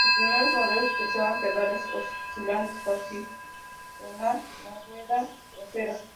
Los primeros modelos utilizaban pedales oscilantes para accionar la rueda trasera.